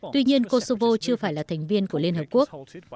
tuy nhiên kosovo chưa phải là thành viên của liên hợp quốc